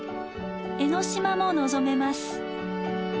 江の島も望めます。